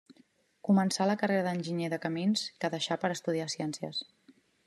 Començà la carrera d'Enginyer de Camins, que deixà per estudiar ciències.